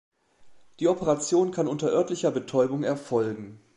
Die Operation kann unter örtlicher Betäubung erfolgen.